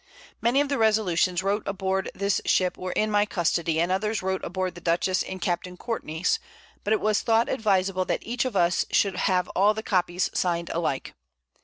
Many of the Resolutions wrote on board this Ship were in my Custody, and others wrote aboard the Dutchess in Capt. Courtney's; but it was thought advisable that each of us should have all the Copies signed alike.